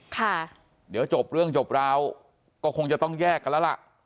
ค่ะเดี๋ยวจบเรื่องจบราวก็คงจะต้องแยกกันแล้วล่ะ